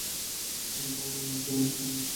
হে ভগবান, এটা একটা নাচের লড়াই।